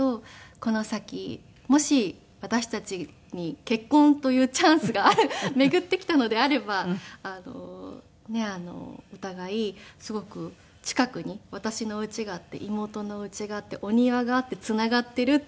この先もし私たちに結婚というチャンスが巡ってきたのであればお互いすごく近くに私のお家があって妹のお家があってお庭があってつながっているっていう。